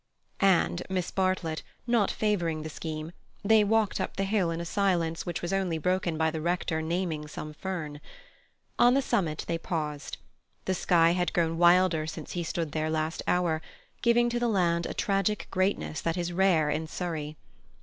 And, Miss Bartlett not favouring the scheme, they walked up the hill in a silence which was only broken by the rector naming some fern. On the summit they paused. The sky had grown wilder since he stood there last hour, giving to the land a tragic greatness that is rare in Surrey.